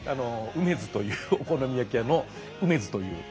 うめづというお好み焼き屋の梅津という。